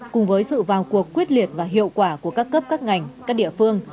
cùng với sự vào cuộc quyết liệt và hiệu quả của các cấp các ngành các địa phương